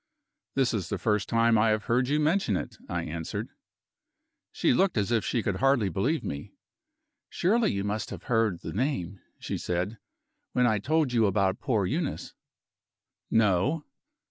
"This is the first time I have heard you mention it," I answered. She looked as if she could hardly believe me. "Surely you must have heard the name," she said, "when I told you about poor Euneece?" "No."